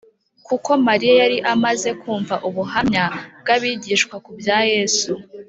. Kuko Mariya yari amaze kumva ubuhamya bw’abigishwa ku bya Yesu